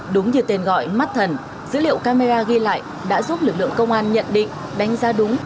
đúng như tên gọi mắt thần dữ liệu camera ghi lại đã giúp lực lượng công an nhận định đánh giá đúng